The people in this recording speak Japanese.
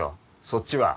そっちは。